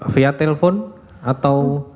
via telepon atau